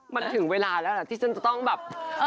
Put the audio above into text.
มันถึงเวลาแล้วล่ะที่ฉันจะต้องแบบ